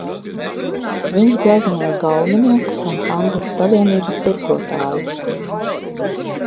Viņš gleznoja galminiekus un Hanzas savienības tirgotājus.